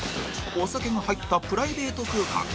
お酒が入ったプライベート空間